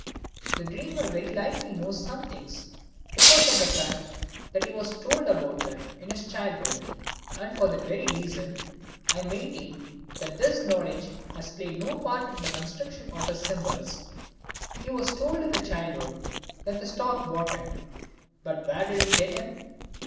The dreamer very likely knows some things because of the fact that he was told about them in his childhood, and for that very reason I maintain that this knowledge has played no part in the construction of his symbols. He was told in childhood that the stork brought him but where did it get him?